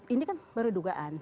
ini kan baru dugaan